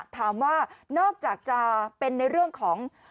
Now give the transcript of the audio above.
นอกจากจะเป็นในเรื่องของ